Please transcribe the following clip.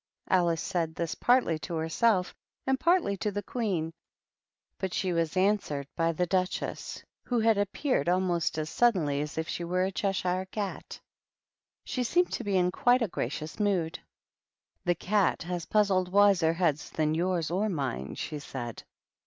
Alice said this partly to herself and partly to the Queen ; but she was answered by the Duchess, who had THE RED QUEEN AND THE BUCHESS. 125 appeared almost as suddenly as if she were a Cheshire Cat. She seemed to be in quite a gra cious mood. " That cat has puzzled wiser heads than yours or mine," she said.